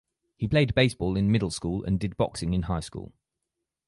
He played baseball in middle school and did boxing in high school.